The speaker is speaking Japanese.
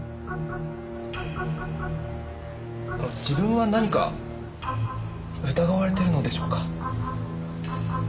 自分は何か疑われてるのでしょうか？